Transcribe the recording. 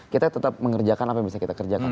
kita tetap mengerjakan apa yang bisa kita kerjakan